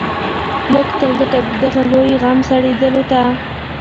لږ تر لږه د دغه لوی غم سړېدلو ته.